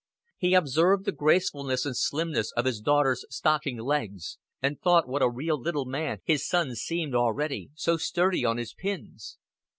He observed the gracefulness and slimness of his daughter's stockinged legs, and thought what a real little man his son seemed already, so sturdy on his pins.